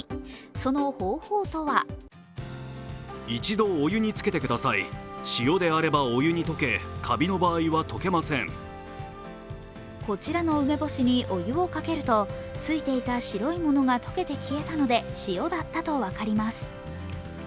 その方法とはこちらの梅干しにお湯をかけるとついていた白いものが溶けて消えたので、塩だったと分かります。